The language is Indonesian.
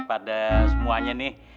kepada semuanya nih